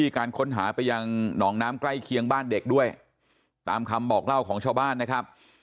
การค้นหาไปยังหนองน้ำใกล้เคียงบ้านเด็กด้วยตามคำบอกเล่าของชาวบ้านนะครับ